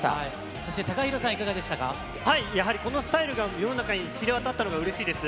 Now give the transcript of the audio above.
そしてＴＡＫＡＨＩＲＯさん、やはりこのスタイルが世の中に知れ渡ったのがうれしいです。